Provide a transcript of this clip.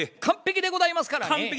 完璧でございますからね。